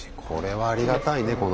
これはありがたいね